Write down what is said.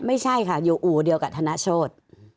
ไม่ใช่ค่ะอยู่อู่เดียวกับธนโชธ